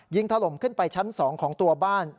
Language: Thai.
ถล่มขึ้นไปชั้น๒ของตัวบ้าน